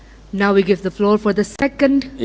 sekarang kita memberikan papan untuk pertanyaan kedua